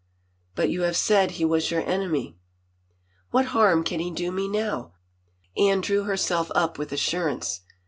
" But you have said he was your enemy —"" What harm can he do me now ?" Anne drew her self up with assurance.